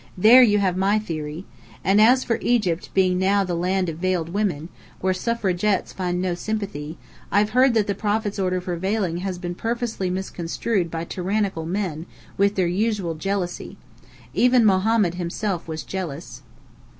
There you have my theory. And as for Egypt being now the land of Veiled Women, where Suffragettes find no sympathy, I've heard that the prophet's order for veiling has been purposely misconstrued by tyrannical men, with their usual jealousy. Even Mohammed himself was jealous."